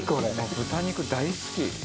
豚肉大好き。